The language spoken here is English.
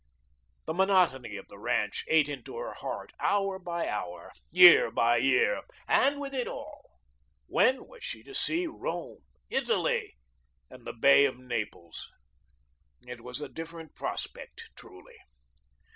The monotony of the ranch ate into her heart hour by hour, year by year. And with it all, when was she to see Rome, Italy, and the Bay of Naples? It was a different prospect truly.